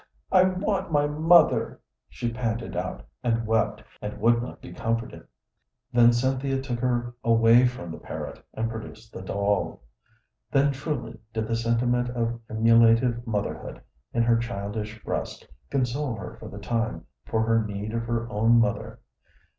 "I want my mother!" she panted out, and wept, and would not be comforted. Then Cynthia took her away from the parrot and produced the doll. Then truly did the sentiment of emulative motherhood in her childish breast console her for the time for her need of her own mother.